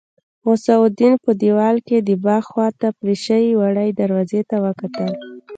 غوث الدين په دېوال کې د باغ خواته پرې شوې وړې دروازې ته وکتل.